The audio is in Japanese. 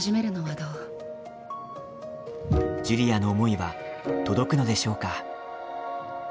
ジュリアの思いは届くのでしょうか。